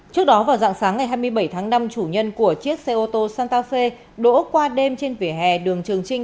trước đó vào dạng sáng ngày hai mươi bảy tháng năm chủ nhân của chiếc xe ô tô santafe đỗ qua đêm trên vỉa hè đường trường trinh